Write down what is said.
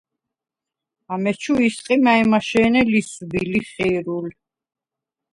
ამეჩუ ისყი მა̄̈ჲმაშე̄ნე ლისვბი-ლიხი̄რულ.